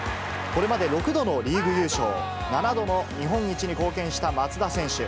これまで６度のリーグ優勝、７度の日本一に貢献した松田選手。